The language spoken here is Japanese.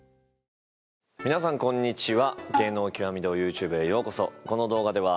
皆さんこんにちは。